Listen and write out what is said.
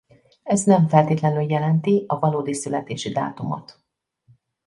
Ez nem feltétlenül jelenti a valódi születési dátumot.